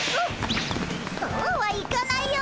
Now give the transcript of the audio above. そうはいかないよ！